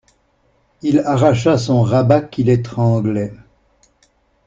Il arracha son rabat qui l'étranglait.